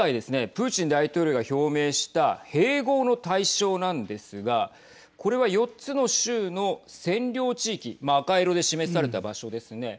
プーチン大統領が表明した併合の対象なんですがこれは４つの州の占領地域赤色で示された場所ですね。